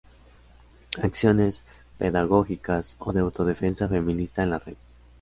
acciones pedagógicas o de autodefensa feminista en la red